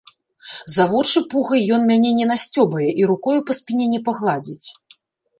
За вочы пугай ён мяне не насцёбае і рукою па спіне не пагладзіць.